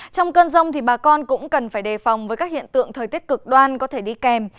trong cơn rông bà con cũng cần phải đề phòng với các hiện tượng thời tiết cực đoan có thể đi kèm